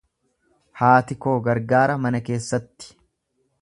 Haati koo gargaara mana keessatti.